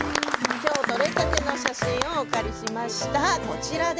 きょう撮れたての写真をお借りしました。